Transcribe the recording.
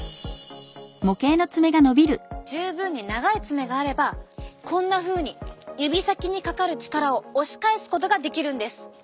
十分に長い爪があればこんなふうに指先にかかる力を押し返すことができるんです。